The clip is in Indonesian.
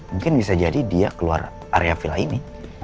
mungkin bisa jadi dia keluar area villa ini